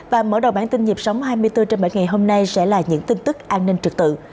và mở đầu bản tin nhịp sống hai mươi bốn trên bảy ngày hôm nay sẽ là những tin tức an ninh trực tự